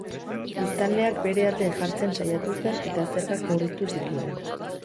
Biztanleak bere alde jartzen saiatu zen eta zergak murriztu zituen.